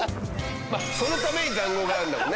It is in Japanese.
まあそのために塹壕があるんだもんね。